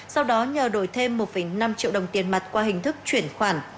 sau đó nhờ đổi thêm một năm triệu đồng tiền mặt qua hình thức chuyển khoản